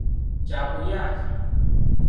Kya kulya ki?